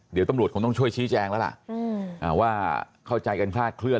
เดี๋ยวตำรวจคงต้องช่วยชี้แจงแล้วล่ะว่าเข้าใจกันคลาดเคลื